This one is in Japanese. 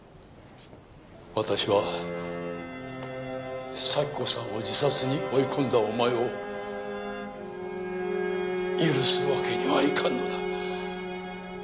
私はサキ子さんを自殺に追い込んだお前を許すわけにはいかんのだ。